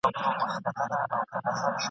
خدای ته آساني پرې کړي غاړي !.